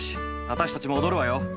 私たちも踊るわよ！